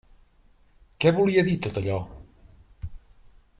Què volia dir tot allò?